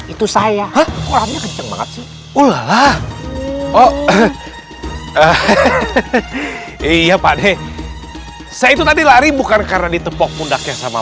itu saya kenceng banget sih oh iya pak deh saya itu tadi lari bukan karena ditepuk bundaknya sama